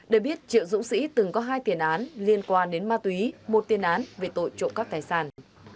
để biết triệu dũng sĩ từng có hai tiền án liên quan đến ma túy một tiên án về tội trộm cắp tài sản